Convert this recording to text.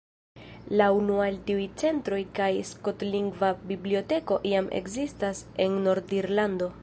La unua el tiuj centroj kaj skotlingva biblioteko jam ekzistas en Nord-Irlando.